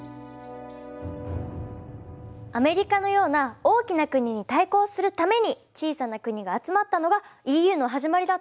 アメリカのような大きな国に対抗するために小さな国が集まったのがＥＵの始まりだったんですね。